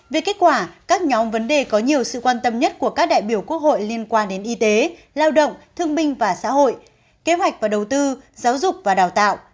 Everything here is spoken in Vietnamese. về kết quả các nhóm vấn đề có nhiều sự quan tâm nhất của các đại biểu quốc hội liên quan đến y tế lao động thương minh và xã hội kế hoạch và đầu tư giáo dục và đào tạo